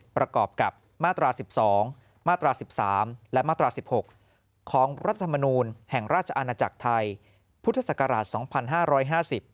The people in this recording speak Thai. ประกอบกับมาตรา๑๒มาตรา๑๓และมาตรา๑๖ของรัฐธรรมนูลแห่งราชอาณาจักรไทยพุทธศักราช๒๕๕๐